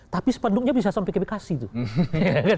tapi sepanduknya bisa sampai ke bekasi tuh